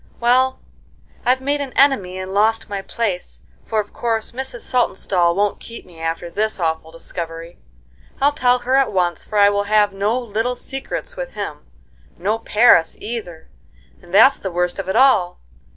Well, I've made an enemy and lost my place, for of course Mrs. Saltonstall won't keep me after this awful discovery. I'll tell her at once, for I will have no 'little secrets' with him. No Paris either, and that's the worst of it all!